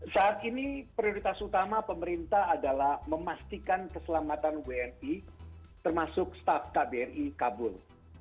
saat ini prioritas utama pemerintah adalah memastikan keselamatan wni termasuk staff kbri kabul